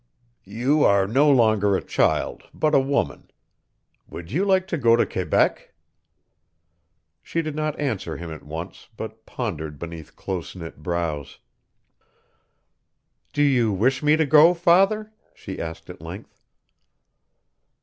"You are no longer a child, but a woman. Would you like to go to Quebec?" She did not answer him at once, but pondered beneath close knit brows. "Do you wish me to go, father?" she asked at length.